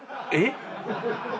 えっ。